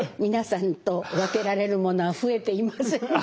皆さんと分けられるものは増えていませんね。